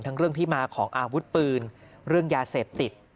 เรื่องที่มาของอาวุธปืนเรื่องยาเสพติด